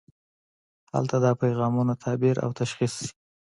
هلته دا پیغامونه تعبیر او تشخیص شي.